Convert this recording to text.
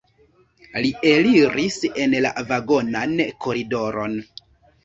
Li eliris en la vagonan koridoron.